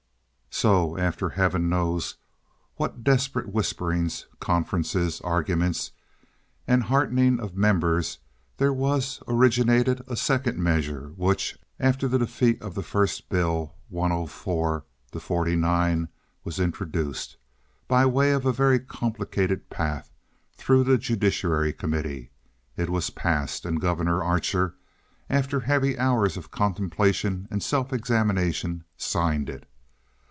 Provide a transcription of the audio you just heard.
So, after Heaven knows what desperate whisperings, conferences, arguments, and heartening of members, there was originated a second measure which—after the defeat of the first bill, 104 to 49—was introduced, by way of a very complicated path, through the judiciary committee. It was passed; and Governor Archer, after heavy hours of contemplation and self examination, signed it.